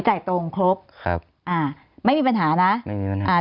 จ่ายตรงครบครับอ่าไม่มีปัญหานะไม่มีปัญหาอ่า